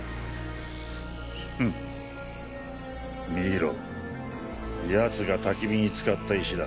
フッ見ろ奴がたき火に使った石だ。